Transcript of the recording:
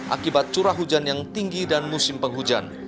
akibat curah hujan yang tinggi dan musim penghujan